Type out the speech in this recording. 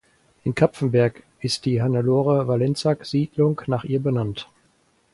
In Kapfenberg ist die Hannelore-Valencak-Siedlung nach ihr benannt.